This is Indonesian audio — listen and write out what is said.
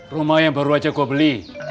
rumah yang baru aja gue beli